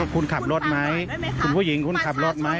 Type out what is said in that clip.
คุณขับรถไหมคุณผู้หญิงคุณขับรถไหม